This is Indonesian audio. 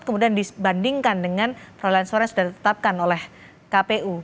kemudian dibandingkan dengan perolehan suara yang sudah ditetapkan oleh kpu